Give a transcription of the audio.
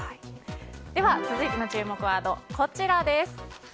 では続いての注目ワードです。